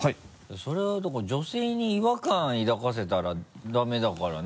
それはだから女性に違和感抱かせたらダメだからね。